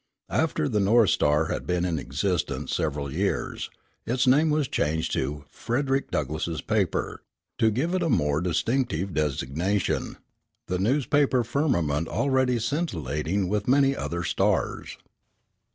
After the North Star had been in existence several years, its name was changed to Frederick Douglass's Paper, to give it a more distinctive designation, the newspaper firmament already scintillating with many other "Stars."